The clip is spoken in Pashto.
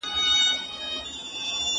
قابلي پلو زموږ تر ټولو مشهور ملي خوراک دی.